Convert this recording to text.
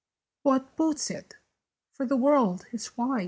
What boots it? For the world is wide."